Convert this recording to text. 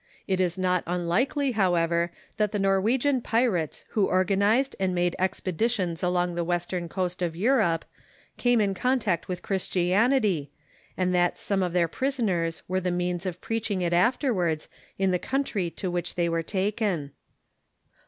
It is not unlikely, however, that the Norwe gian pirates who organized and made expeditions along No rw3v *—' 1 ^j ■*■^^ the western coast of Europe came in contact with Chris tianity, and that some of their prisoners were the means of preaching it afterwards in the country to which they were taken.